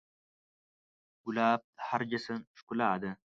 ګلاب د هر جشن ښکلا ده.